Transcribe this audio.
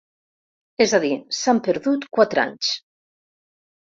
És a dir, s’han perdut quatre anys .